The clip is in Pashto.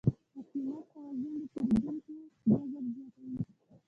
د قیمت توازن د پیرودونکو جذب زیاتوي.